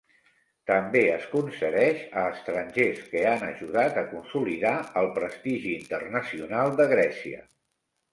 També es concedeix a estrangers que han ajudat a consolidar el prestigi internacional de Grècia.